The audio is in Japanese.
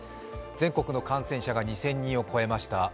全国の感染者が２０００人を超えました。